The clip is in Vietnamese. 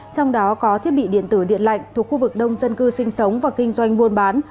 trong đó có thiết bị điện tử điện lạnh thuộc khu vực đông dân cư sinh sống và kinh doanh buôn bán